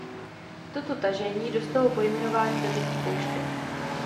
Toto tažení dostalo pojmenování Dobytí pouště.